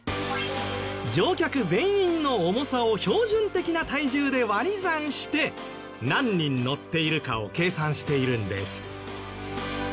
乗客全員の重さを標準的な体重で割り算して何人乗っているかを計算しているんです。